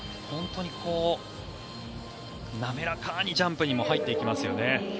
本当に滑らかにジャンプにも入っていきますよね。